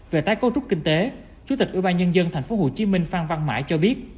về tái cấu trúc kinh tế chủ tịch ủy ban nhân dân tp hcm phan văn mãi cho biết